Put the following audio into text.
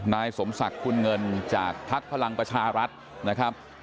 นายสมศักดิ์คุณเงินจากภักดิ์พลังประชารัฐนะครับ